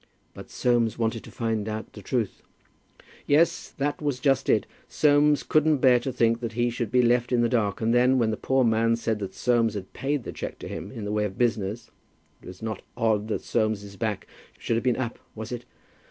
"But Soames wanted to find out the truth." "Yes; that was just it. Soames couldn't bear to think that he should be left in the dark, and then, when the poor man said that Soames had paid the cheque to him in the way of business, it was not odd that Soames' back should have been up, was it?